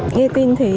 nghe tin thì